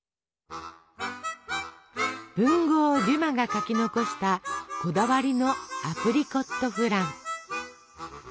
文豪デュマが書き残したこだわりのアプリコットフラン。